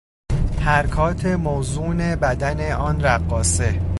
حرکات موزون بدن آن رقاصه